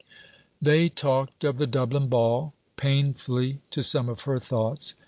They talked of the Dublin Ball: painfully to some of her thoughts.